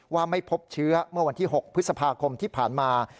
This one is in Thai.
ว่าไม่พบเชื้อเมื่อวันที่๖พฤษภาคมที่ผ่านมา